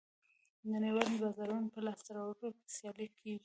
د نړیوالو بازارونو په لاسته راوړلو کې سیالي کېږي